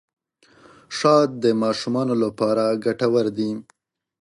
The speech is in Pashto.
شات د ماشومانو لپاره ګټور دي.